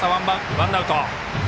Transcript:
ワンアウト。